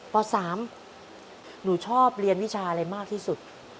ป๓หนูชอบเรียนวิชาอะไรมากที่สุด